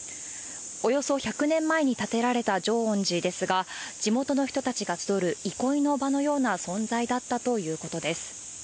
およそ１００年前に建てられた浄音寺ですが、地元の人たちが集う憩いの場のような存在だったということです。